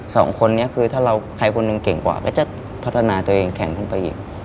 สองคนนี้คือถ้าเราใครคนหนึ่งเก่งกว่าก็จะพัฒนาตัวเองแข่งขึ้นไปอีก